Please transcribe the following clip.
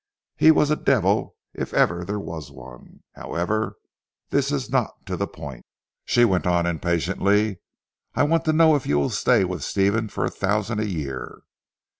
"He was a devil if ever there was one. However this is not to the point," she went on impatiently, "I want to know if you will stay with Stephen for a thousand a year?"